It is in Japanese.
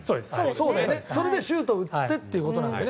それでシュートを打ってということだよね。